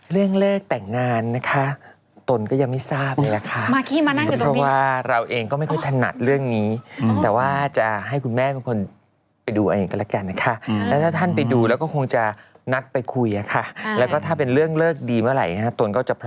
เรื่องเลิกแต่งงานนะคะตนก็ยังไม่ทราบนี่แหละค่ะ